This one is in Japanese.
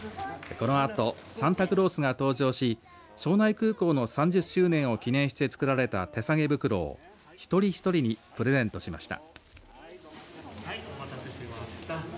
このあとサンタクロースが登場し庄内空港の３０周年を記念して作られた手提げ袋を一人ひとりにプレゼントしました。